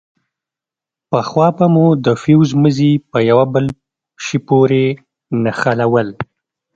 پخوا به مو د فيوز مزي په يوه بل شي پورې نښلول.